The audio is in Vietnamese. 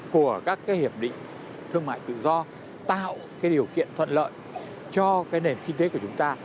của các hiệp định thương mại tự do tạo cái điều kiện thuận lợi cho cái nền kinh tế của chúng ta